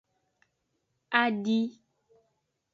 Adi.